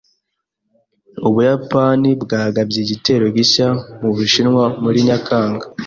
Ubuyapani bwagabye igitero gishya mu Bushinwa muri Nyakanga.